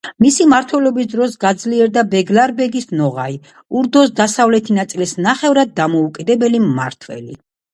მისი მმართველობის დროს გაძლიერდა ბეგლარბეგი ნოღაი, ურდოს დასავლეთი ნაწილის ნახევრად დამოუკიდებელი მმართველი.